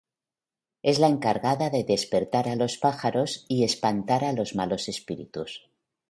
Es la encargada de despertar a los pájaros y espantar a los malos espíritus.